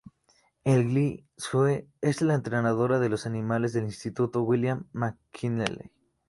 En "Glee", Sue es la entrenadora de los animadores del instituto William McKinley.